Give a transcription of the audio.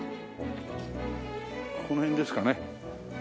この辺ですかね？